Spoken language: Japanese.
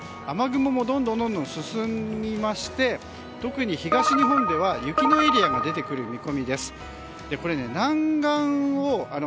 雨雲もどんどんと進みまして特に東日本では雪のエリアが出てくる見込みです。